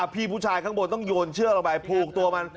พี่ผู้ชายข้างบนต้องโยนเชือกลงไปผูกตัวมัน